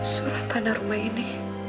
surah tanah rumah ini